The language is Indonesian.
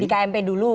di kmp dulu